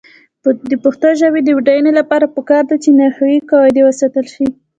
د پښتو ژبې د بډاینې لپاره پکار ده چې نحوي قواعد وساتل شي.